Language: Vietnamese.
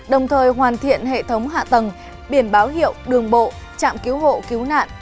đồng thời hoàn thiện hệ thống hạ tầng biển báo hiệu đường bộ trạm cứu hộ cứu nạn